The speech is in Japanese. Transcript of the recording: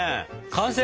完成？